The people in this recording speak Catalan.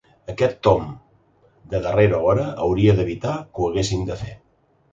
Aquest tomb de darrera hora hauria d’evitar que ho haguessin de fer.